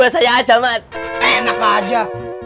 kayak aja mat enak aja